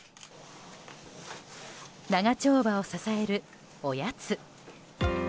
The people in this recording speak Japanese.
長丁場を支える、おやつ。